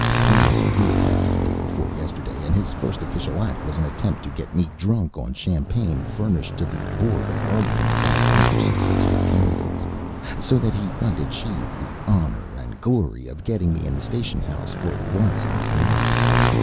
He was re elected day before yesterday, and his first official act was an attempt to get me drunk on champagne furnished to the Board of Aldermen by other successful candidates, so that he might achieve the honor and glory of getting me in the station house for once in his life.